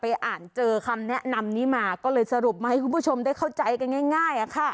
อ่านเจอคำแนะนำนี้มาก็เลยสรุปมาให้คุณผู้ชมได้เข้าใจกันง่าย